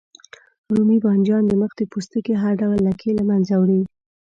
رومي بانجان د مخ د پوستکي هر ډول لکې له منځه وړي.